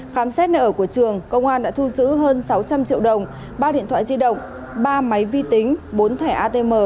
khám xét nợ của trường công an đã thu giữ hơn sáu trăm linh triệu đồng ba điện thoại di động ba máy vi tính bốn thẻ atm